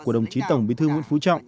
của đồng chí tổng bí thư nguyễn phú trọng